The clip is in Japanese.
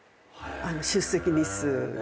出席日数が。